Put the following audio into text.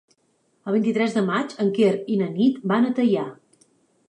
El vint-i-tres de maig en Quer i na Nit van a Teià.